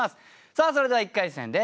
さあそれでは１回戦です。